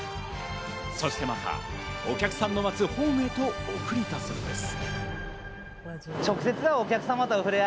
そしてまた、お客さんの待つホームへと送り出すのです。